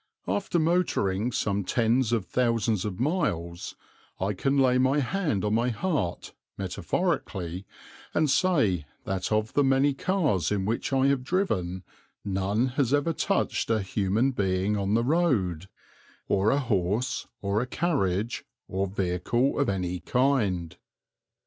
After motoring some tens of thousands of miles, I can lay my hand on my heart, metaphorically, and say that of the many cars in which I have driven none has ever touched a human being on the road, or a horse, or a carriage, or vehicle of any kind.